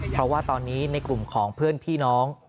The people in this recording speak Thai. เพราะว่าตอนนี้ในกลุ่มของเพื่อนพี่น้อง